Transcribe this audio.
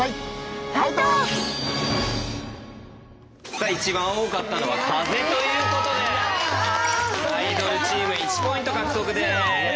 さあ一番多かったのは「風」ということでアイドルチーム１ポイント獲得です。